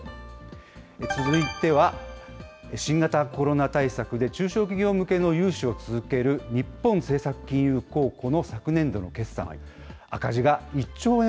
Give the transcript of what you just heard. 続いては、新型コロナ対策で、中小企業向けの融資を続ける日本政策金融公庫の昨年度の決算。